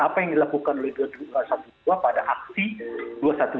apa yang dilakukan oleh dua ratus dua belas pada aksi dua ratus dua belas atau empat ratus sebelas